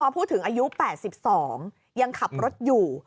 พูดถึงอายุ๘๒ยังขับรถอยู่